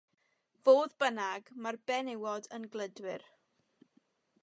Fodd bynnag, mae'r benywod yn gludwyr.